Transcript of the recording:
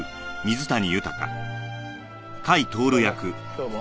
どうも。